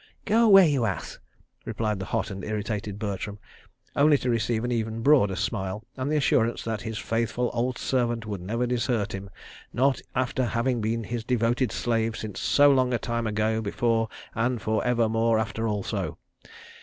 "Go away, you ass," replied the hot and irritated Bertram, only to receive an even broader smile and the assurance that his faithful old servant would never desert him—not after having been his devoted slave since so long a time ago before and for ever more after also.